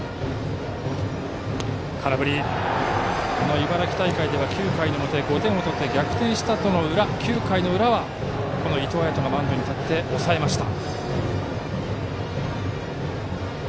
茨城大会では９回表に５点を取って逆転した試合の９回の裏はこの伊藤彩斗がマウンドに立ち抑えました。